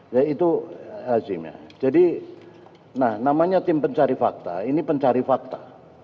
jadi itu lazimnya jadi namanya tim pencari fakta ini pencari fakta